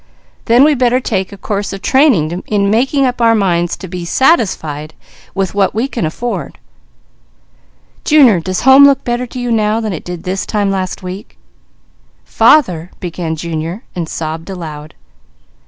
Then we better take a course of training in making up our minds to be satisfied with what we can afford. Junior, does home look better to you than it did this time last week?" "Father," began Junior, and sobbed aloud.